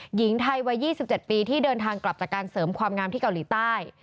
หญิงไทยวัย๒๗ปีที่เดินทางกลับจากการเสริมความงามที่เกาหลีใต้